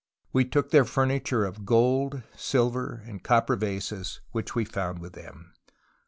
We took their furniture of gold, silver and copper vases, which we found with them."